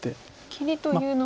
切りというのは。